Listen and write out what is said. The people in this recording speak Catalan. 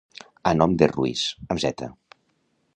A nom de Ruiz, amb zeta.